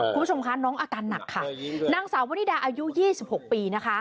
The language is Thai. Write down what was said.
คุณผู้ชมคะน้องอาการหนักค่ะนางสาววนิดาอายุ๒๖ปีนะคะ